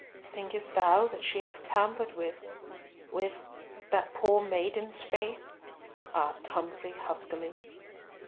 "Thinkest thou that she hath tampered with—with that poor maiden's faith?" asked Humfrey huskily.